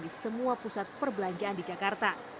di semua pusat perbelanjaan di jakarta